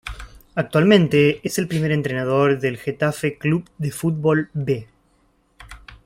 Actualmente es el primer entrenador del Getafe Club de Fútbol "B".